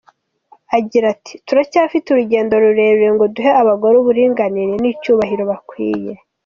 Agira ati “Turacyafite urugendo rurerure ngo duhe abagore uburinganire n’icyubahiro bakwiye.